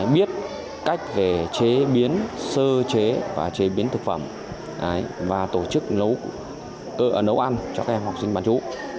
biết cách về chế biến sơ chế và chế biến thực phẩm và tổ chức nấu cơ nấu ăn cho các em học sinh bán chú